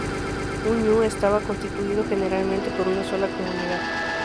Un "ñuu" estaba constituido generalmente por una sola comunidad.